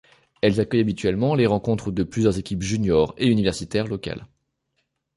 Elles accueillent habituellement les rencontres de plusieurs équipes juniors et universitaires locales.